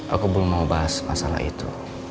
aku belum mau bahas masalah itu